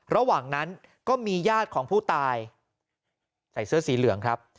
ระหว่างนั้นก็มีญาติของผู้ตายใส่เสื้อสีเหลืองครับ